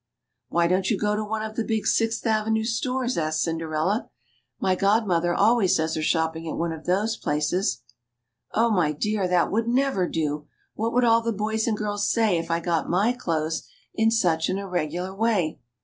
" Why don't you go to one of the big Sixth Avenue stores ?" asked Cinderella. " My godmother always does her shopping at one of those places." " Oh, my dear ! that would never do ; what would all the boys and girls say if I got my clothes in such an irregular way